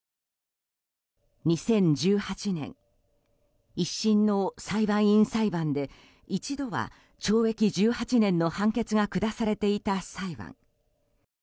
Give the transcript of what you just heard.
２０１８年１審の裁判員裁判で一度は懲役１８年の判決が下されていた裁判。